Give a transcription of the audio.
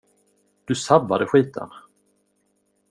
Du sabbade skiten.